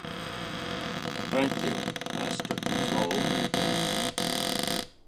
Thank you, Master Control.